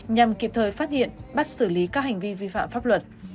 nhằm kịp thời phát hiện bắt xử lý các hành vi vi phạm pháp luật